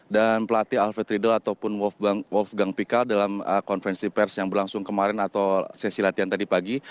dan pelatih alfred riedel ataupun wolfgang pika dalam konferensi pers yang berlangsung kemarin atau sesi latihan tadi pagi